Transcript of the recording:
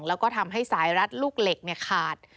แล้วก็ทำให้สายรัดลูกเหล็กขาด